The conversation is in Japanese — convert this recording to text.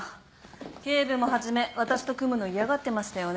警部も初め私と組むの嫌がってましたよね。